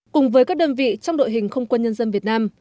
cùng với các đơn vị trong đội hình không quân nhân dân việt nam